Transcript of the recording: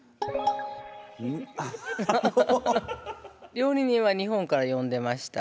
料理人は日本から呼んでました。